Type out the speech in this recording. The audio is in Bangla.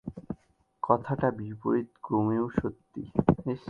কথাটা বিপরীত ক্রমেও সত্যি।